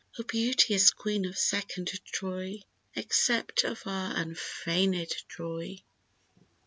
O beauteous Queen of second Troy, Accept of our unfeignèd joy!